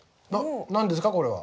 な何ですかこれは？